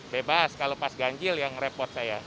bebas kalau pas ganjil yang repot saya